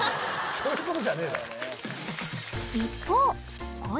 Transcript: そういうことじゃねえだろ。